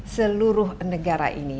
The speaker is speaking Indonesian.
seluruh negara ini